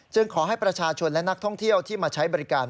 ขอให้ประชาชนและนักท่องเที่ยวที่มาใช้บริการ